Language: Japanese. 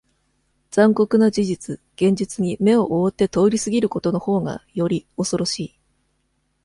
残酷な事実、現実に目を覆って通り過ぎることの方が、より、恐ろしい。